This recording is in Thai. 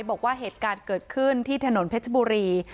บอกว่าเหตุการณ์เกิดขึ้นที่ถนนเพชรบุรี